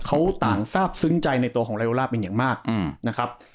เขาต่างทราบซึ้งใจในตัวของไลล่าเป็นอย่างมากนะครับ